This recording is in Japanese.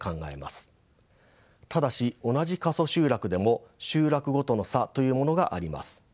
ただし同じ過疎集落でも集落ごとの差というものがあります。